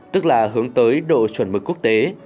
tức là hướng tới độ chuẩn mức quốc tế